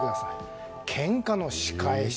けんかの仕返し。